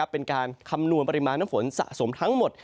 เป็นการคำนวณปริมาณน้ำฝนสะสมทั้งหมด